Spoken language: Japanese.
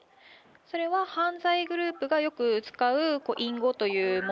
それは犯罪グループがよく使う隠語というもの？